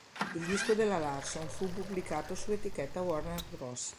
Il disco della Larson fu pubblicato su etichetta Warner Bros.